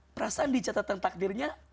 perasaan dicatatan takdirnya